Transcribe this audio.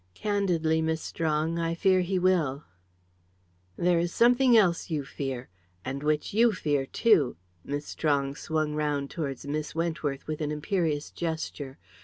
"Candidly, Miss Strong, I fear he will." "There is something else you fear. And which you fear too!" Miss Strong swung round towards Miss Wentworth with an imperious gesture.